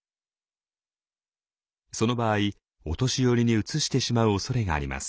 その場合お年寄りにうつしてしまうおそれがあります。